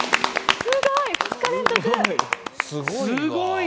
すごいわ。